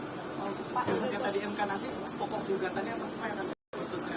mas kita di emkan nanti pokok juga tadi apa semuanya nanti